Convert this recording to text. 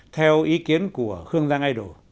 theo ý kiến của khương giang idol